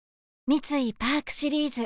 三井パークシリーズ